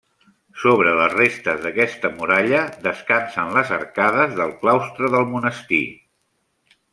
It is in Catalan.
Sobre les restes d'aquesta muralla descansen les arcades del claustre del monestir.